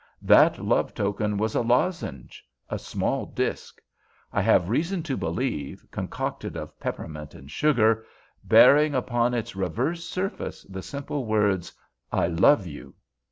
That love token was a lozenge—a small disk, I have reason to believe, concocted of peppermint and sugar, bearing upon its reverse surface the simple words, 'I love you!